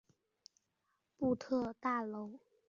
布特大楼是英国威尔斯卡迪夫大学的一座建筑。